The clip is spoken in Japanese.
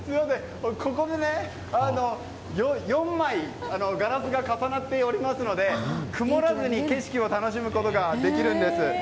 ここは４枚ガラスが重なっておりますので曇らずに景色を楽しむことができるんです。